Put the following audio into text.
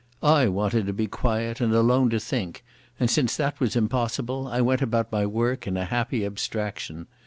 I wanted to be quiet and alone to think, and since that was impossible I went about my work in a happy abstraction.